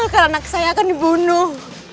maka anak saya akan dibunuh